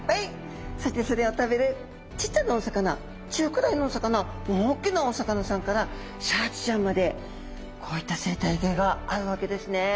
そしてそれを食べるちっちゃなお魚中くらいのお魚大きなお魚さんからシャチちゃんまでこういった生態系があるわけですね。